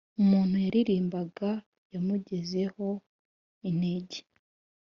umuntu yaririmbaga yamugezeho intege,